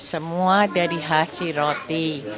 semua dari hasil roti